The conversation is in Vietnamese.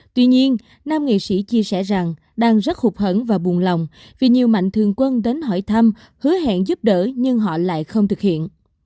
tuy nhiên nam nghệ sĩ chia sẻ rằng đang rất hụt hẫn và buồn lòng vì nhiều mạnh thường quân đến hỏi thăm hứa hẹn giúp đỡ nhưng họ lại không thực hiện